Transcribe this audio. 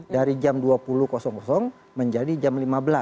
dari jam dua puluh menjadi jam lima belas